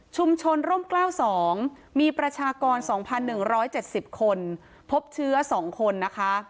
ชุมชนร่ม๙๒มีประชากร๒๑๗๐คนพบเชื้อ๒คน